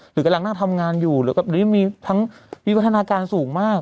หรือกำลังนั่งทำงานอยู่หรือตอนนี้มีทั้งวิวัฒนาการสูงมาก